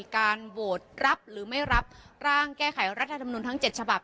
การโหวตรับหรือไม่รับร่างแก้ไขรัฐธรรมนุนทั้ง๗ฉบับ